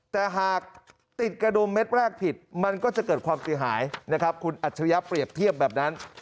แต่หากติดกระดุมเม็ดแรกผิดมันก็จะเกิดความเสียหายนะครับคุณอัจฉริยะเปรียบเทียบแบบนั้น